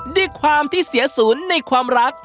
ดิความที่เสียสูญในความรัก